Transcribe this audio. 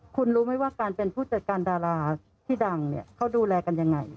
คุณรู้ไหมว่าการเป็นผู้จัดการดาราที่ดังเนี่ยเขาดูแลกันยังไง